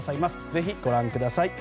ぜひご覧ください。